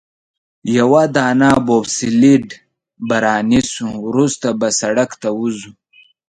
یوه دانه بوبسلیډ به رانیسو، وروسته به سړک ته ووځو.